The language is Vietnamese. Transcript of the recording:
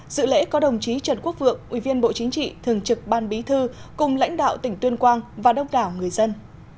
dự lễ có đồng chí trần quốc vượng ủy viên bộ chính trị thường trực ban bí thư cùng lãnh đạo tỉnh tuyên quang và đông đảo người dân